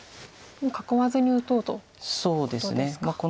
もう囲わずに打とうということですか。